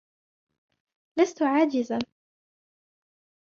لستُ عاجزا.